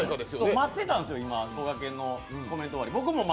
待ってたんですよ、こがけんのコメント終わり。